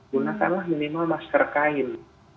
gunakanlah minimal masker kain